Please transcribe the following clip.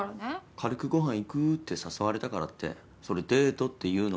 「軽くご飯行く？」って誘われたからってそれデートって言うの？